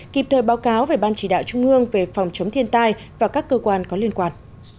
kịp thời báo cáo về ban chỉ đạo trung ương về phòng chống thiên tai và các cơ quan có liên quan